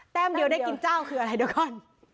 มเดียวได้กินเจ้าคืออะไรเดี๋ยวก่อน